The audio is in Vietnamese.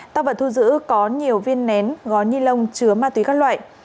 tăng vật thu giữ có nhiều viên nén gó nhi lông chứa ma túy các loại